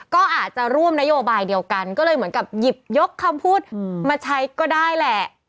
ก็อาจจะร่วมนโยบายเดียวกันก็เลยเหมือนกับหยิบยกคำพูดมาใช้ก็ได้แหละ